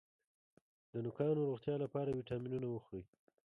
د نوکانو د روغتیا لپاره ویټامینونه وخورئ